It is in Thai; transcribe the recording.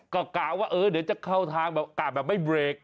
ก็กล่าวว่าเดี๋ยวจะเข้าทางกล่าวแบบไม่เบรก